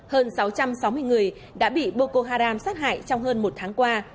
hơn sáu trăm sáu mươi người đã bị boko haram sát hại trong hơn một tháng qua